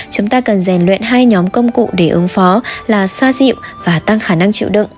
chúng ta cần rèn luyện hai nhóm công cụ để ứng phó là xoa dịu và tăng khả năng chịu đựng